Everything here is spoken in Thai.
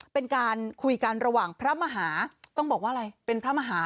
เป็นการคุยกันระหว่างพระมหาต้องบอกว่าอะไรเป็นพระมหา